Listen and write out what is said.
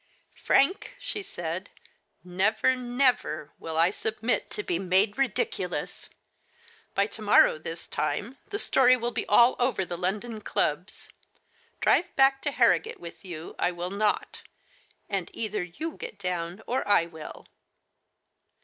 " Frank," she said, " never, nev^ will I submit to be made ridiculous. By to morrow this time, the story will be all over the London clubs. Drive back to Harrogate with you I will not, and either you get down, or I will."